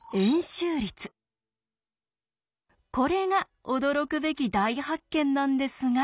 これが驚くべき大発見なんですが。